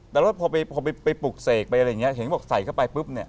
แต่ว่าพอไปปลุกเสกไปอะไรอย่างนี้เห็นบอกใส่เข้าไปปุ๊บเนี่ย